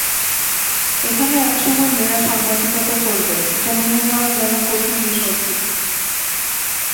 এখানে একসময় মেয়েরা সাংবাদিকতা করবে এটা মেনে নেওয়া যেন কঠিন বিষয় ছিল।